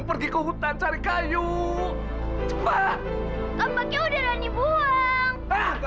berani melawan orang tua